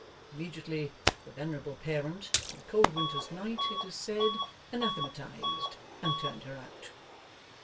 Immediately, the venerable parent on a cold winter's night, it is said anathematized and turned her out.